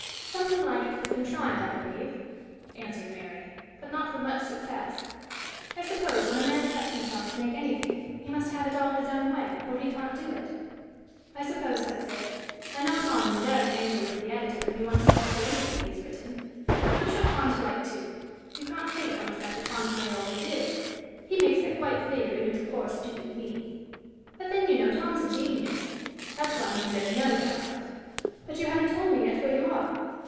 "Something like it has been tried, I believe," answered Mary, "but not with much success. I suppose, when a man sets himself to make anything, he must have it all his own way, or he can't do it." "I suppose that's it. I know Tom is very angry with the editor when he wants to alter anything he has written. I'm sure Tom's right, too. You can't think how much better Tom's way always is! He makes that quite clear, even to poor, stupid me. But then, you know, Tom's a genius; that's one thing there's no doubt of! But you haven't told me yet where you are."